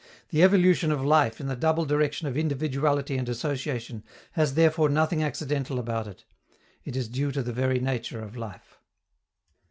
The evolution of life in the double direction of individuality and association has therefore nothing accidental about it: it is due to the very nature of life.